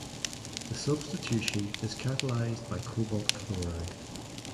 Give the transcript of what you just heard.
The substitution is catalyzed by cobalt chloride.